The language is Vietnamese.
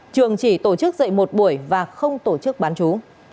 trường chỉ tổ chức dạy một buổi và không tổ chức bán chú